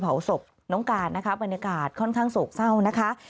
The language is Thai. เผาศพน้องการนะคะบรรยากาศค่อนข้างโศกเศร้านะคะ